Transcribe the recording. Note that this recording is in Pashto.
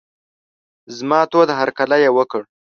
زما تود هرکلی یې وکړ.